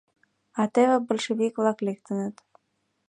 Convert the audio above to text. А теве большевик-влак лектыныт.